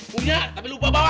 punya tapi lupa bawa